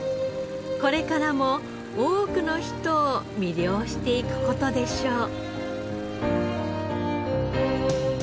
これからも多くの人を魅了していく事でしょう。